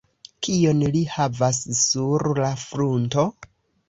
Kion li havas sur la frunto?